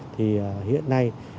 thì hiện nay